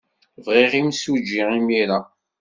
Bɣiɣ imsujji imir-a!